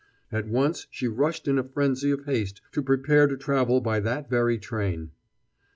At once she rushed in a frenzy of haste to prepare to travel by that very train.